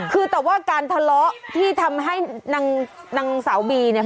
คือแต่ว่าการทะเลาะที่ทำให้นางสาวบีเนี่ย